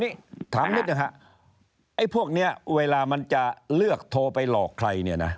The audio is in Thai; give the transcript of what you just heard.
นี่ถามนิดหนึ่งฮะไอ้พวกนี้เวลามันจะเลือกโทรไปหลอกใครเนี่ยนะ